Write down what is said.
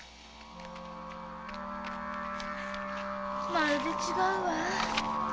まるで違う。